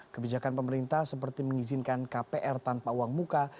kebijakan pemerintah seperti mengizinkan kpr tanpa uang muka